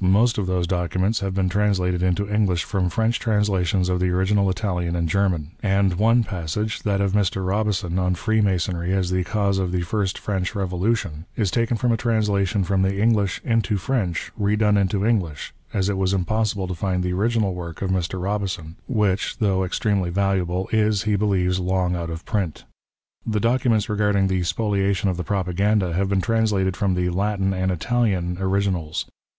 Most of those documents have been translated into English from French translations of the original Italian and German ; and one passage, that of Mr. Eiobison on Ereemasonry as the cause of the first Erench Eevolution, is taken from a translation from the Englisli into Erench, re done into English, as it was impossible to find the original English worK of Mr. Kobison, which, though extremely valuable, is, he believes, long out of print. The documents regarding the Spolia tion of tlie Propaganda have been translated from the Latin and Italian originals.